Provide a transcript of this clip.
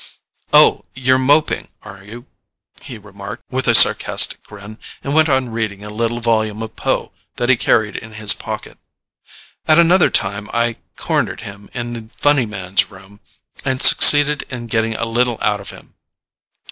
"Oh, you're Moping, are you?" he remarked with a sarcastic grin, and went on reading a little volume of Poe that he carried in his pocket. At another time I cornered him in the Funny Man's room and succeeded in getting a little out of him.